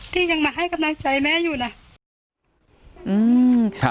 ที่ยังมาให้กำลังใจแม่อยู่นะ